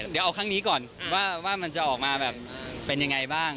เดี๋ยวเอาครั้งนี้ก่อนว่ามันจะออกมาแบบเป็นยังไงบ้าง